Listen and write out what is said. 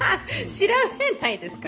調べないですか。